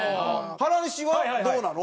原西はどうなの？